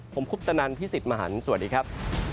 ผมคุปตนันพี่สิทธิ์มหันฯสวัสดีครับ